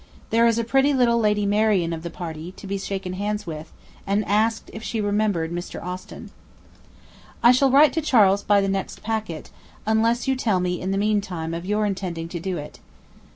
There is a pretty little Lady Marianne of the party, to be shaken hands with, and asked if she remembered Mr. Austen: ... 'I shall write to Charles by the next packet, unless you tell me in the meantime of your intending to do it.